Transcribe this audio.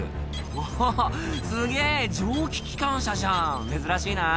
「おぉすげぇ蒸気機関車じゃん珍しいな」